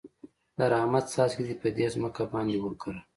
د رحمت څاڅکي دې په دې ځمکه باندې وکره.